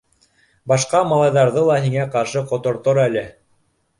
Башҡа малайҙарҙы ла һиңә ҡаршы ҡотортор әле.